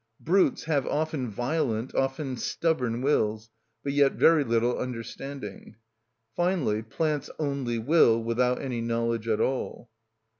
Brutes have often violent, often stubborn wills, but yet very little understanding. Finally, plants only will without any knowledge at all.